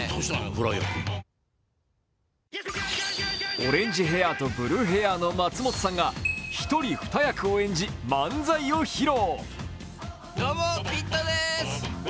オレンジヘアとブルーヘアの松本さんが一人２役を演じ漫才を披露。